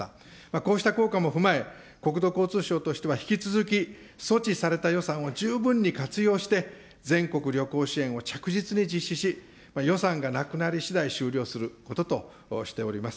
こうした効果を踏まえ、国土交通省としては引き続き措置された予算を十分に活用して、全国旅行支援を着実に実施し、予算がなくなりしだい終了することとしております。